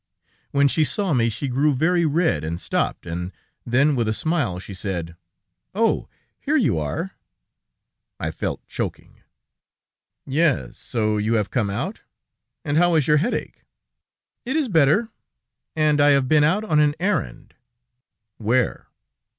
When she saw me, she grew very red and stopped, and then, with a smile, she said: 'Oh! Here you are!' I felt choking. "'Yes; so you have come out? And how is your headache?' "'It is better, and I have been out on an errand.' "'Where?'